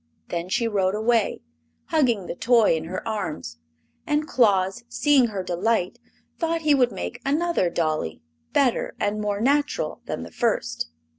Then she rode away, hugging the toy in her arms, and Claus, seeing her delight, thought he would make another dolly, better and more natural than the first.